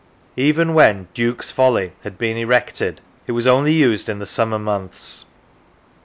Even when " Duke's Folly" had been erected, it was only used in the summer months.